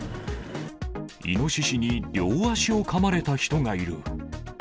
イノシシに両足をかまれた人がいる。